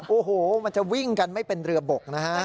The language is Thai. โอ้โหมันจะวิ่งกันไม่เป็นเรือบกนะฮะ